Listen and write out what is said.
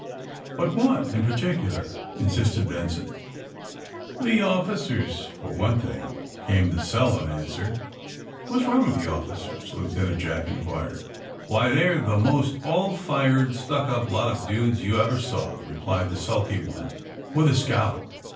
But what, in particular *?" insisted Benson„ The officers, for one thing," came the sullen 6i\ answer. 61 What's wrong with the officers?" Lieutenant Jack inquired. '^Why, they're the most all fired stuck up lot of dudes you ever saw," replied the sulky one, with a scowl.